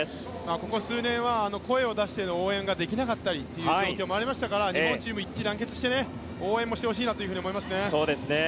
ここ数年は声を出しての応援ができなかったりという状況もありましたから日本チーム、一致団結して応援もしてほしいなと思います。